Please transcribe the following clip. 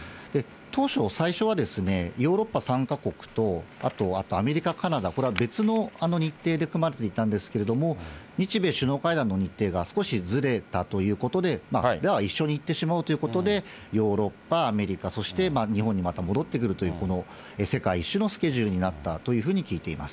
当初、最初はヨーロッパ３か国とあとアメリカ、カナダ、これは別の日程で組まれていたんですけれども、日米首脳会談の日程が少しずれたということで、じゃあ、一緒に行ってしまおうということでヨーロッパ、アメリカ、そして日本にまた戻ってくるという、この世界一周のスケジュールになったというふうに聞いています。